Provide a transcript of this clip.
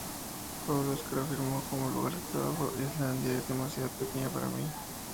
Paul Oscar afirmó: "Como lugar de trabajo, Islandia es demasiado pequeña para mí.